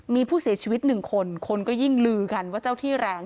มีผู้เสียชีวิตหนึ่งคนคนก็ยิ่งลือกันว่าเจ้าที่แรง